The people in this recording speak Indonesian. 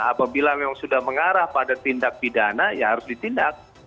apabila memang sudah mengarah pada tindak pidana ya harus ditindak